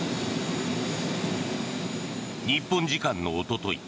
日本時間のおととい